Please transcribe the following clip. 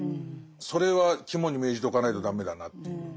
それは肝に銘じておかないと駄目だなという。